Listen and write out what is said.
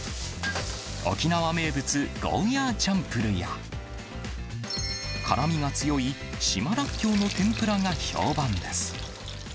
沖縄名物、ゴーヤーチャンプルや、辛みが強い島らっきょうの天ぷらが評判です。